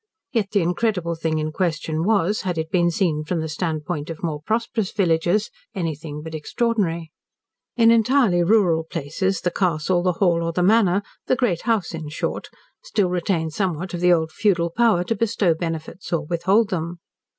Yet the incredible thing in question was had it been seen from the standpoint of more prosperous villagers anything but extraordinary. In entirely rural places the Castle, the Hall or the Manor, the Great House in short still retains somewhat of the old feudal power to bestow benefits or withhold them.